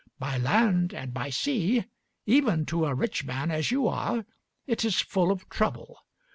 By land and by sea, even to a rich man as you are, it is full of trouble.